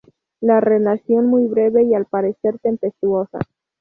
La relación fue breve y, al parecer, tempestuosa.